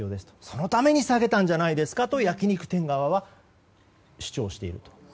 そのために下げたんじゃないですかと焼き肉店側は主張していると。